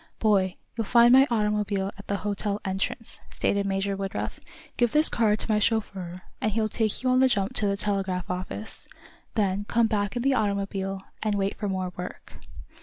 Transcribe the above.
"Boy, you'll find my automobile at the hotel entrance," stated Major Woodruff. "Give this card to my chauffeur, and he'll take you on the jump to the telegraph office. Then come back in the automobile, and wait for more work."